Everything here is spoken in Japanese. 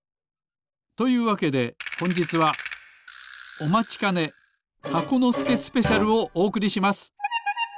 というわけでほんじつはおまちかね「箱のすけスペシャル」をおおくりします。